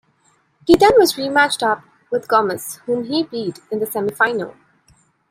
He then was re-matched up with Gomez, whom he beat, in the semi-final.